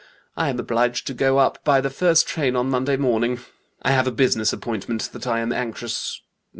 I am obliged to go up by the first train on Monday morning. I have a business appointment that I am anxious